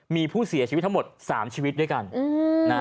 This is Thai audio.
มีผู้เสียชีวิตทั้งหมด๓ชีวิตด้วยกัน